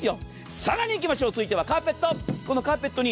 更にいきましょう、続いてはカーペット。